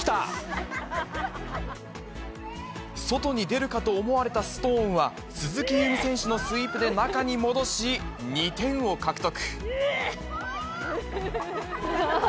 外に出るかと思われたストーンは、鈴木夕湖選手のスイープで中に戻し、２点を獲得。